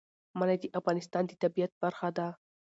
منی د افغانستان د طبیعت برخه ده.